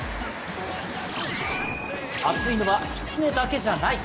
熱いのはキツネだけじゃない！